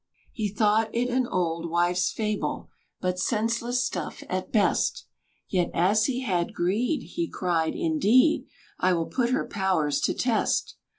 He thought it an old wife's fable, But senseless stuff at best; Yet, as he had greed, he cried, "Indeed! I will put her powers to test."